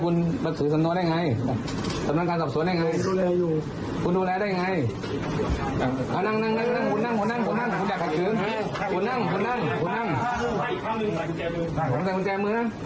คุณเกษียณตั้งแต่ปี๕๘แล้ว